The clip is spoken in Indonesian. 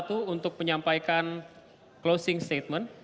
untuk menyampaikan closing statement